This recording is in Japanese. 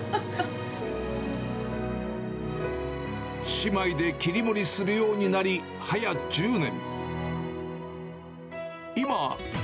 姉妹で切り盛りするようになりはや１０年。